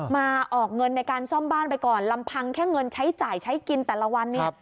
มาออกเงินในการซ่อมบ้านไปก่อนลำพังแค่เงินใช้จ่ายใช้กินแต่ละวันเนี่ย